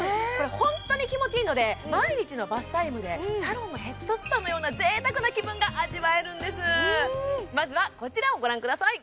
ホントに気持ちいいので毎日のバスタイムでサロンのヘッドスパのようなぜいたくな気分が味わえるんですまずはこちらをご覧ください